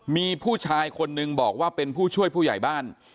มีผู้ชายคนนึงบอกว่าเป็นผู้ช่วยผู้ใหญ่บ้าน